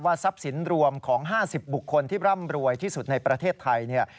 ทรัพย์สินรวมของ๕๐บุคคลที่ร่ำรวยที่สุดในประเทศไทย